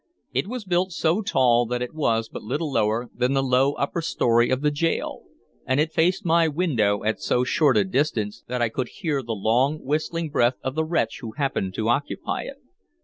It was built so tall that it was but little lower than the low upper story of the gaol, and it faced my window at so short a distance that I could hear the long, whistling breath of the wretch who happened to occupy it.